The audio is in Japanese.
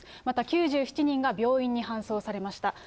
また９７人が病院に搬送されました。